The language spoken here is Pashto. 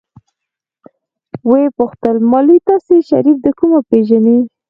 ويې پوښتل مالې تاسې شريف د کومه پېژنئ.